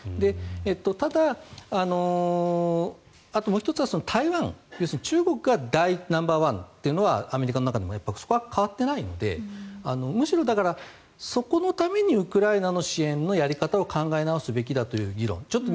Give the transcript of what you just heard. ただ、あともう１つは台湾要するに中国がナンバーワンというのはアメリカの中でもそこは変わっていないのでむしろそこのためにウクライナの支援のやり方を考え直すべきだという議論。